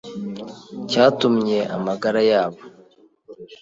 Cyatumye amagara yabo